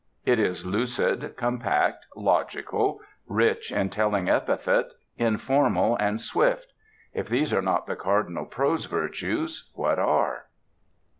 It is lucid, compact, logical, rich in telling epithet, informal and swift. If these are not the cardinal prose virtues, what are?